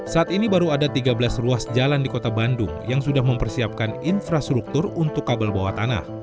saat ini baru ada tiga belas ruas jalan di kota bandung yang sudah mempersiapkan infrastruktur untuk kabel bawah tanah